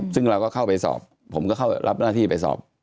ซึ่งเราก็เข้าไปสอบผมก็เข้ารับหน้าที่ไปสอบ